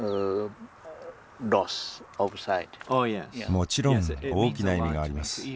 もちろん大きな意味があります。